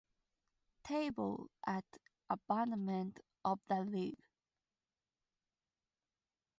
Table at abandonment of the league.